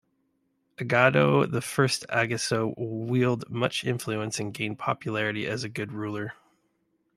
Igodo, the first Ogiso, wielded much influence and gained popularity as a good ruler.